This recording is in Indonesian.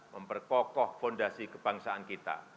memperkokoh fondasi kebangsaan kita